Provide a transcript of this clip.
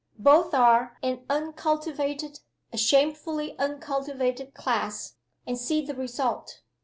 Both are an uncultivated, a shamefully uncultivated, class and see the result!